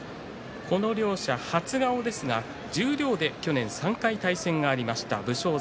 この両者、初顔ですが十両で１年３回対戦がありました。